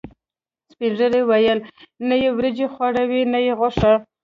سپینږیرو ویل: نه یې وریجې خوړاوې، نه یې غوښه.